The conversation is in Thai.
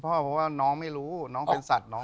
เพราะว่าน้องไม่รู้น้องเป็นสัตว์น้อง